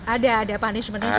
ada punishment juga